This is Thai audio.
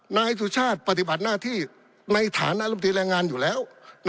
นายสุชาติปฏิบัติหน้าที่ในฐานะรัฐมนตรีแรงงานอยู่แล้ว